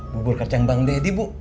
bubur kacang bang deddy bu